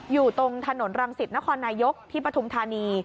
อยู่ตรงถนนรังสิตนครนายกที่ปฐุมธานี